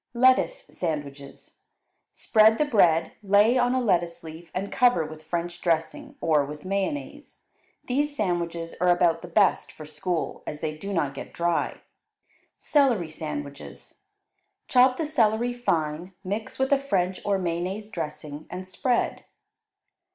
Lettuce Sandwiches Spread the bread, lay on a lettuce leaf and cover with French dressing, or with mayonnaise. These sandwiches are about the best for school, as they do not get dry. Celery Sandwiches Chop the celery fine, mix with a French or mayonnaise dressing, and spread.